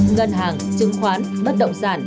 ngân hàng chứng khoán bất động sản